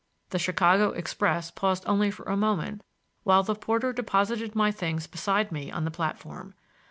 The Chicago Express paused only for a moment while the porter deposited my things beside me on the platform.